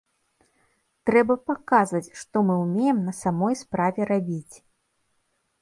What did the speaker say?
Трэба паказваць, што мы ўмеем на самой справе рабіць.